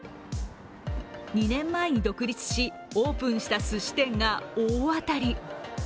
２年前に独立し、オープンしたすし店が大当たり。